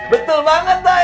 betul banget doy